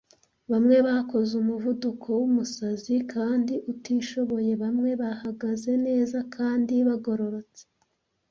Bamwe bakoze umuvuduko wumusazi kandi utishoboye, bamwe bahagaze neza kandi bagororotse,